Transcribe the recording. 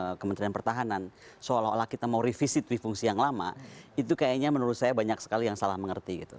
pak lima dan kementerian pertahanan seolah olah kita mau revisit duifungsi yang lama itu kayaknya menurut saya banyak sekali yang salah mengerti gitu